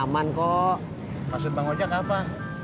masuk ke bang ojak apa